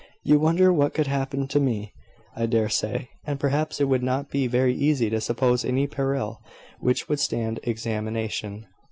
You wonder what could happen to me, I dare say; and perhaps it would not be very easy to suppose any peril which would stand examination."